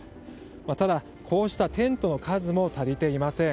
ただ、こうしたテントの数も足りていません。